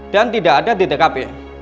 dan tidak ada di tkp